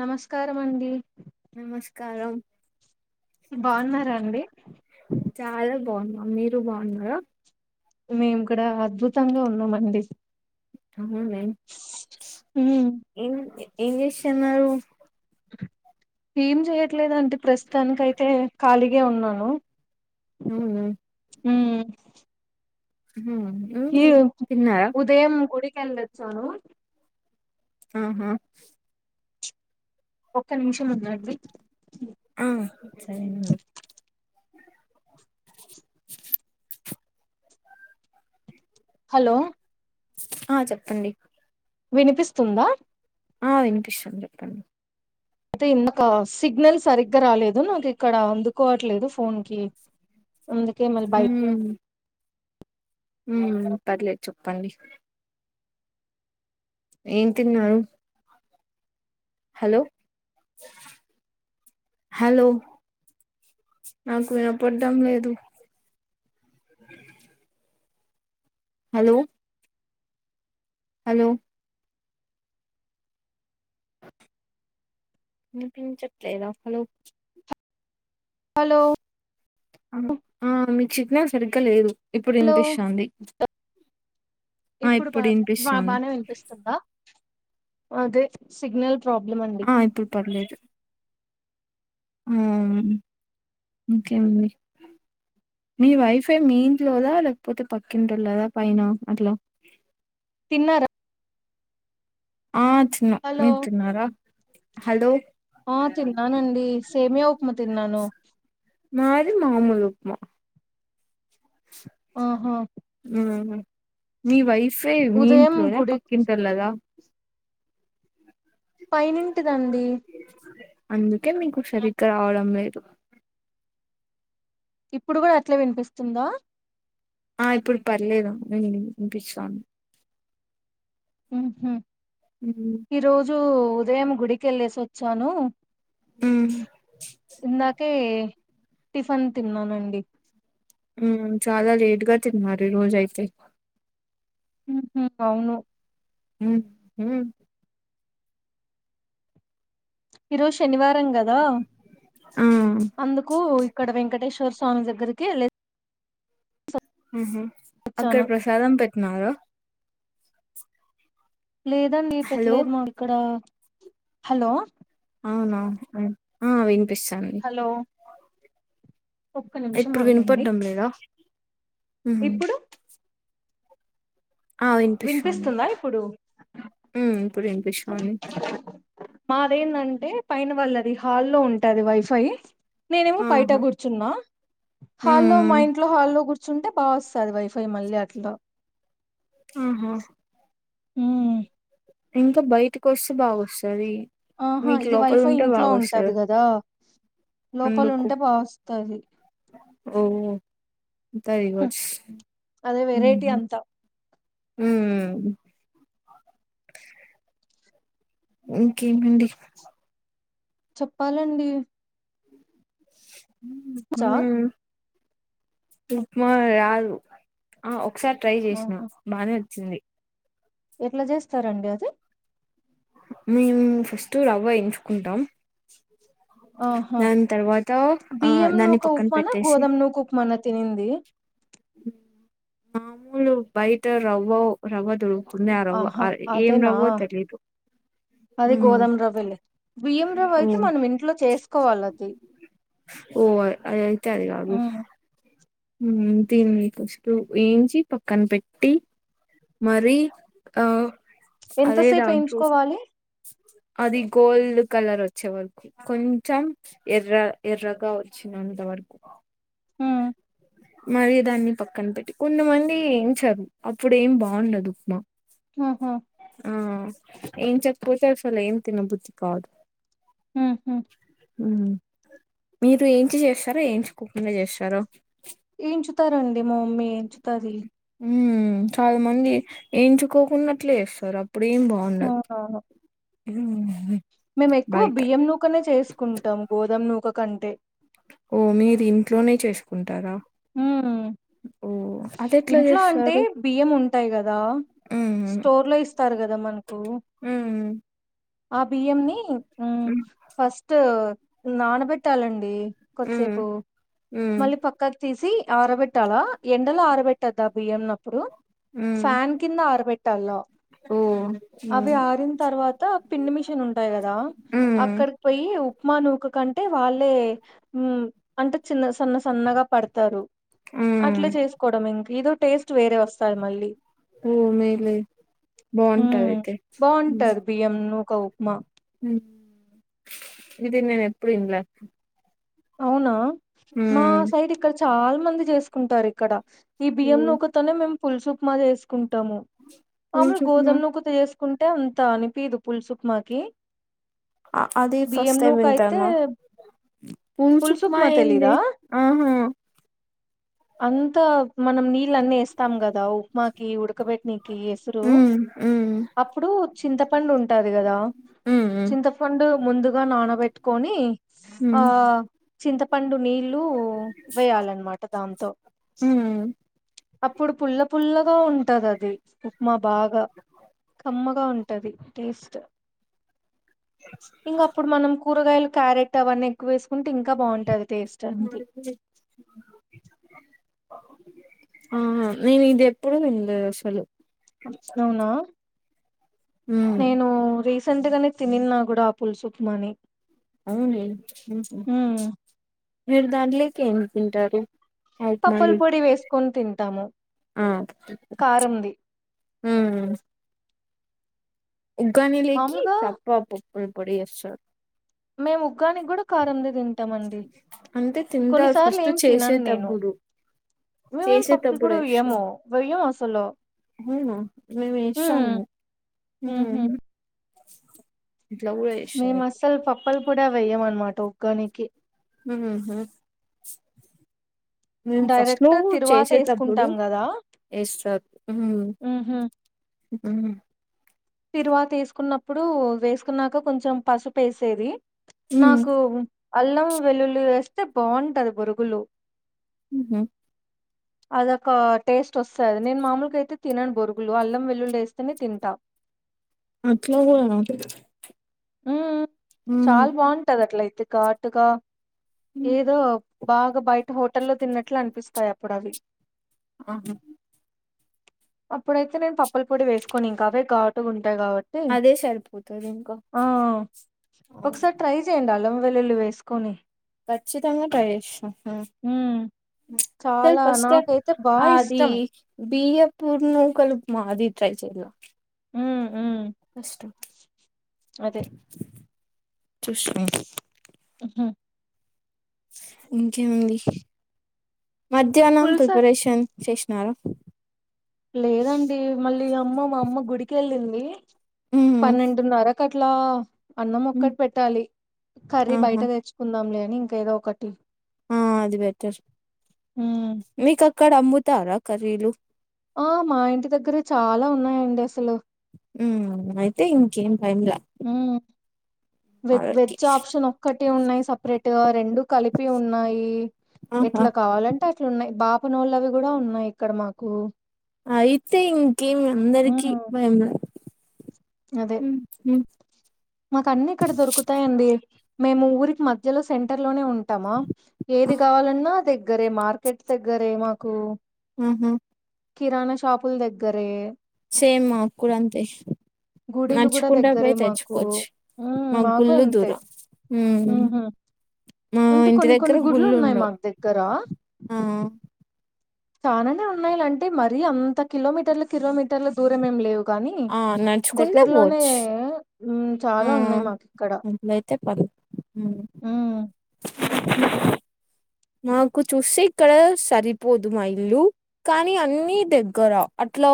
నమస్కారమండి నమస్కారం బాన్నరా అండి చాలా బావున్నం మీరు బావున్నరా మేమ్ కూడా అద్భుతంగా ఉన్నామండి అవునే ఉ ఏమి ఏం జేస్సన్నరు ఏం జెయ్యట్లేదంటే ప్రస్తానికైతే ఖాళీగే ఉన్నాను అవునా ఊ అహా హీరు ఉదయం గుడికెల్లొచ్చాను ఆహా ఒక్క నిమిషం ఉండండి ఆ సరే నండి హలో ఆ చెప్పండి వినిపిస్తుందా ఆ వినిపిస్తుంద్ జొప్పండి ఐతే ఇందుకో సిగ్నల్ సరిగ్గా రాలేదు నాకిక్కడ అందుకోవట్లేదు ఫోన్ కి ఉంది హూ ఊ పర్లేద్ చొప్పండి ఏం తిన్నరు హలో హలో నాకు వినపడ్డం లేదు హలో హలో వినిపించట్లేదా హలో హలో ఆ మీకు సిగ్నల్ సరిగ్గా లేదు ఇప్పుడు హలో వినిపిస్తోంది ఇప్పుడు బా బా వినిపిస్తుంది బానే వినిపిస్తుందా అదే సిగ్నల్ ప్రాబ్లమ్ అ ఆ ఇప్పుడు పర్లేదు ఉమ్ ఇంకేముంది మీ వైఫై మీ ఇంట్లోదా లేకపోతే పక్కింటోళదా పైన అట్లా తిన్నార ఆ తిన్నా హలో మీరు తిన్నారా హలో ఆ తిన్నానండి సేమ్యా ఉప్మా తిన్నాను మాది మామూలు ఉప్మా ఆహా ఉహుమ్ మీ వైఫై మీ ఉదయం ఇంట్లోన గుడి పక్కింటోళదా పైనింటిదండి అందుకే మీకు సరిగ్గా రావడం లేదు ఇప్పుడు కూడా అట్లే వినిపిస్తుందా ఆ ఇప్పుడు పర్లేదు ఉమ్ వినిపిస్తోంది ఉహు ఉమ్ ఈ రోజు ఉదయం గుడికేళ్ళసి వచ్చాను హ్మ్ ఇందాకే టిఫన్ తిన్నానండి ఉమ్ చాలా లేట్గా తిన్నారు ఈ రోజు అయితే ఉ ఉ అవును ఉమ్ ఉమ్ ఈరోజు శనివారం కదా ఆ అందుకు ఇక్కడ వెంకటేశ్వర్ స్వామి దగ్గరికి ఎల్లి ఉహుమ్ అక్కడ వచ్చాను ప్రసాదం పెట్టినరా లేదండి హలో పెట్టలేదు మాకు ఇక్కడ హలో అవున ఉమ్ వినిపిస్తుంది హలో ఒక్క నిమిషం ఇప్పుడు ఆగండి వినపడ్డం లేదా ఉమ్ ఇప్పుడు ఆ వినిపిస్తోంది వినిపిస్తుందా ఇప్పుడు ఇప్పుడు వినిపిస్తోంది మాది ఏందంటే పైన వాళ్ళది హాల్లో ఉంటది వైఫై నేనేమో బయట ఆహా! కూర్చున్నా హాల్లో మా హ్మ్. ఇంట్లో హాల్లో కూర్చుంటే బా వస్తది వైఫై మళ్ళీ అట్లా ఉహుమ్ ఉమ్ ఇంకా బయటకి వస్తే బావోస్తది ఆహా ఇది వైఫై ఇంట్లో ఉంటది కదా లోపల ఉంటే బా వస్తది ఓహో అంత హ్మ్, రివర్స్ అదే వెరైటీ ఊహు అంతా ఉమ్ ఇంకేమండి చెప్పాలండి చా ఉమ్ ఉప్మా రారు ఆ ఒకసారి ట్రై చేసినా ఆహా బానే వచ్చింది ఎట్లా జెస్తారండి అది మేమ్ ఫస్ట్ రవ్వ ఎంచ్ కుంటాం ఆహా దాన్ తర్వాత ఆ దాన్ని పక్కన పెట్టేసి మోన్న తినింది ము మామూలు బయట రవ్వ రవ్వదు కొన్య రవ్వ ఆహా ఏం రవ్వో తెలీదు అదే ఉమ్ గోధమ రవ్వలే బియ్యం రవ్వ ఓ అయితే మనం ఇంట్లో చేసుకోవాలి అది ఓ అ అయితే అది కాదు ఉమ్. హు దీన్ని పస్టూ ఏంచ్చి పక్కన పెట్టి మరి ఆ అదే ఎంతసేపు దాంట్లో ఎంచుకోవాలి అది గోల్డ్ కలర్ వచ్చే వరకు కొంచం ఎర్రఎర్రగా వచ్చినం అంతవరకు హు మరి దాన్ని పక్కన పెట్టి కొంతమంది ఏంచదు అప్పుడు ఏం బావుండదు ఉప్మా ఆహ ఆ ఏం చెప్పకపోతె అసల్ ఏం తినబుద్ధి కాదు ఉహు హు మీరు ఏంచి జెస్తార ఏంచుకోకుండా జెస్తారా ఎంచుతారండి మా మమ్మీ ఎంచుతది ఉ చాలా మంది ఎంచుకోకున్నట్లే ఎస్తారు అప్పుడేం బాం వున్నదు అవునవును హు హు మేము ఎక్కువ బియ్యం నూకనే చేసుకుంటాం గోధమ నూక కంటే ఓమే ఇది ఇంట్లోనే చేసుకుంటారా ఉ ఓహ్! అదెట్లా ఇంట్లో అంటే జేస్తారు? బియ్యం ఉంటాయ్ కదా హ్మ్. స్టోర్ లో ఇస్తారు కదా మనకూ హ్మ్. ఆ బియ్యంని ఉ హ్మ్. ఫస్ట్ నానబెట్టాలండి హ్మ్. కొద్దిసేపు హ్మ్. మళ్ళీ పక్ తీసి ఆరబెట్టాలా ఎండలో ఆరబెట్టద్దా బియ్యం న ఇప్పుడు హ్మ్. ఫ్యాన్ కింద ఆరబెట్టాలో ఓహ్! హ్మ్. అవి ఆరిన తర్వాత పిండి మిషన్ ఉంటాయి కదా హ్మ్. అక్కడికి పోయి ఉప్మా నూక కంటే వాళ్ళే హు అంటే చిన్న సన్న సన్నగా పడ్ తారు అట్లా హ్మ్. చేసుకోవడం ఇంక ఇదో టేస్ట్ వేరే వస్తాంది మళ్ళీ ఓ మేలె బాగుంటది మ్ అయితే హు బాగుంటది బియ్యం నుక ఉప్మ్ హ ఇది నేను ఎప్పుడు ఇండ్ల అవునా మా హ్మ్. సైడ్ ఇక్కడ చాలా మంది చేసుకుంటారు ఇక్కడ ఈ బియ్యం ఓహ్! నుక తొ తోనె మేము పుల్సుప్ ఉప్మ్ జెసుకుంటాము మాములుగా పూల్చుప్మా గోధమ నుక తో తెసుకుంటే అంత అనిపిదు పులుసు ఉప్మకి అ అది ఫస్ట్ బియ్యం నుక ఐతే ఉన్సుప్మా ఏంది ఆహా! అంతా మనం నీళ్ళన్నీ వేస్తాం గదా ఓప్ మాకి ఉడకబెట్నకి ఎసురు హ్మ్. హ్మ్. అప్పుడు చింతపండు ఉంటది కదా హ్మ్. హ్మ్. చింతపండు ముందుగా నానబెట్టుకొని ఆ హ్మ్. చింతపండు నీళ్ళు వేయాలనమాట దాం మ్మ్ అప్పుడు పుల్ల పుల్లగా ఉంటాది అది ఉప్మా బాగా కమ్మగా ఉంటది టేస్ట్ ఇంగప్పుడు మనం కూరగాయలు క్యారెట్ అవన్నీ ఎక్కువ వేసుకుంటే ఇంకా బాగుంటది [unintelligible] ఆ నేను ఇది ఎప్పుడు వినలేదు అసలు అవునా ఉమ్ నేను రీసెంట్గనే తినిన్న కూడా ఆ పులసు ఉప్మా ని అవునే మ్మ్ హు ఉమ్ మీరు దాంట్లేకి ఏం తింటారు పప్పుల ఉప్మాలు పొడి వేసుకొని తింటాము ఆ కారంది మ్మ్ ఉగ్గాని లేకి మామూలుగా సప్ప పప్పుల పొడి చేస్తారు మేము ఉగ్గానికి కూడ కారందే తింటామండి అంటే తింటారు కొన్నిసార్లు ఫస్ట్ ఏం తినను నేను చేసేటప్పుడు మేమేం పప్పుల చేసేటప్పుడు పొడి వెయ్యము వేస్తారు వెయ్యము అసలు అవునా మేము ఉమ్ వేస్తాము ఉహు మ్మ్ అట్ల కూడ చేస్తారు అయితే అసల్ పప్పలు పొడి అవి వెయ్యము అనమాట ఉగ్గానికి మ్మ్ హు మేం ఫస్ట్లో డైరెక్ట్ తిరువాత చేసేటప్పుడు వేసుకుంటాం కదా ఎస్తారు ఉహు మ్ తిరువాత వేసుకున్నప్పుడు వేసుకున్నాక కొంచెం పసుపు వేసేది ఉమ్ నాకు అల్లం వెల్లుల్లి వేస్తే బాగుంటది బొరుగులు మ్మ్ హు ఆ అదొక టేస్ట్ వస్తది నేను మాములుగా అయితే తినను బొరుగులు అల్లం వెల్లుల్లి వేస్తేనే తింట అట్ల కూడన మ్మ్ చాల్ బాగుంటది అట్లయితే ఘటుగా ఏదో బాగా బయట హోటల్లో తిన్నట్లు అనిపిస్తాయి అప్పుడు అవి ఆహా అప్పుడైతే నేను పప్పల పొడి వేసుకొను ఇంకా అవే ఘటుగా ఉంటాయి కాబట్టి అదే సరిపోతదేమో ఆ ఒకసారి ట్రై చేయ్యడి అల్లం వెల్లుల్లి వేసుకొని ఖచ్చితంగా ట్రై చేస్తా అ ఉమ్ ప్చ్ అసల్ చాలా ఫస్ట్ స్టెప్ నాకైతే బాగా అది ఇష్టం బియ్యం పూర్నుకలు మాది ట్రై చేయలా ఉమ్ ఉమ్ కష్టం అదే చుస్ ఆహా ఇంకేమండి మధ్యానం పులుసు అన్ ప్రిపరేషన్ చేసినారు లేదండి మళ్ళీ అమ్మ మా అమ్మ గుడికెళ్ళింది మ్మ్ పన్నెండున్నర క్కట్లా అన్నం మ్మ్ ఒక్కటి పెట్టాలి కర్రీ బయట ఆహా తెచ్చు కుందాం లే అని ఇంకా ఏదో ఒకటి ఆ అది బెటర్ ఉమ్ మీకక్కడ అమ్ముతారా కర్రీలు ఆ మా ఇంటి దగ్గరే చాలా ఉన్నాయండి అసలు ఉ అయితే ఇంకేం టైమ్లా ఉ వే వెజ్ ఆప్షన్ ఒక్కటే ఉన్నాయి సపరేట్ రెండు కలిపి ఉన్నాయి ఆహా ఎట్లా కావాలంటే అ ట్లు ఉన్నాయి బాపనోళ్ళవి కూడా ఉన్నాయి ఇక్కడ మాకు అయితే ఇంకేమి అందరికి హ్మ్. భయం ఉండాలే మాకు అన్ని ఇక్కడ దొరుకుతాయండి మేము ఊరికి మధ్యలో సెంటర్ లోనే ఉం ఉంటామా ఏది కావాలన్నా దగ్గరే మార్కెట్ దగ్గరే మాకు ఉహు కిరాణా షాపులు దగ్గరే సేమ్ మా కూడా అంతే గుడిలు గూడా నడుచుకుంటా దగ్గరే పోయి మాకు. తెచ్చుకోచ్చు హ్మ్. మాకు మగుళ్ళు అంతే. దూర ఉహు హుహు. మా అంటే ఇంటి కొన్ని దగ్గర కొన్ని గుళ్ళు గుడ్లున్నాయి ఉండవు మాకు దగ్గర. ఆ చాలానే ఉన్నాయిలా అంటే మరీ అంత కిలోమీటర్లు కిలోమీటర్ల దూరం ఏమి లేవు కానీ ఆ నడుచుకుంటే దగ్గరలోనే పోవచ్చు ఉ ఆ చాలా ఉన్నాయి మాకు ఇక్కడ అట్లయితే పర్లే ఉమ్ హు మాకు చూస్తే ఇక్కడ సరిపోదు మా ఇల్లు కానీ అన్నీ దగ్గరా అట్లా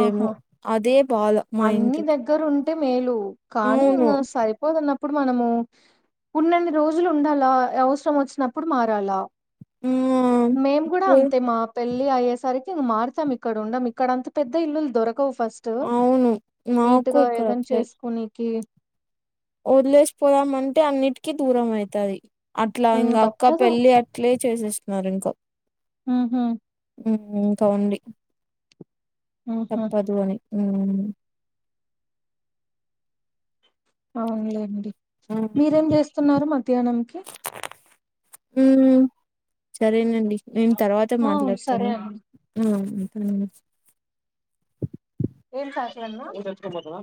ఆహా! అదే బాధ మా అన్ని ఇంటికి దగ్గర ఉంటే మేలు కానీ అవును ఇంగా సరిపోదన్న ఇప్పుడు మనము ఉన్నన్ని రోజులు ఉండాలా అవసరం వచ్చినప్పుడు మారాలా మేము కూడా ఉమ్ అంతే మా పెళ్లి అయ్యేసరికి మారుతాం ఇక్కడ ఉండం ఇక్కడంతా పెద్ద ఇల్లులు దొరకవు ఫస్ట్ అవును నీట్ మాకు గా ఇక్కడ ఏదైనా చేసుకోనికి వదిలేసిపోదాం అంటే అన్నిటికీ దూరం అయితది అట్లా హ్మ్ ఇంగ అక్క తప్పదు. పెళ్ళి ప్లే చేసేస్తున్నారు ఇంక ఉహు ఇంకా ఉంది హుహు. తప్పదు అని ఉ అవునులేండి ఆ మీరేం చేస్తున్నారు మధ్యాహ్నంకి ఉ సరేనండి నేను తర్వాత ఆ సరే మాట్లాడతాను అండి ఆ ఉ మూట ఎత్తుకొని పోతావ